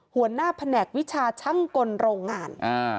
หัวหน้าแผนกวิชาช่างกลโรงงาน